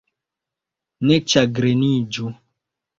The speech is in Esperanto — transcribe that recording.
Ne ĉagreniĝu.